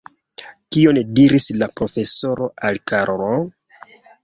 Kion diris la profesoro al Karlo?